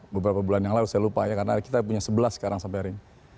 beberapa bulan yang lalu saya lupa ya karena kita punya sebelas sekarang sampai hari ini